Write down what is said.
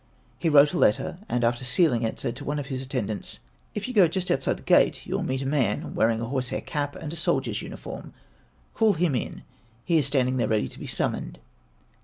He wrote a letter, and after sealing it, said to one of his attendants, "If you go just outside the gate you will meet a man wearing a horsehair cap and a soldier's uniform. Call him in. He is standing there ready to be summoned."